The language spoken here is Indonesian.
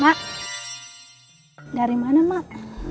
mak dari mana mak